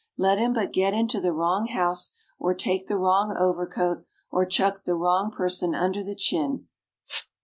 Let him but get into the wrong house or take the wrong overcoat or chuck the wrong person under the chin Pff!